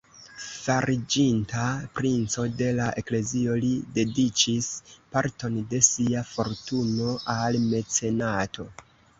Fariĝinta princo de la Eklezio, li dediĉis parton de sia fortuno al mecenato.